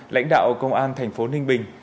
lãnh đạo công an thành phố ninh bình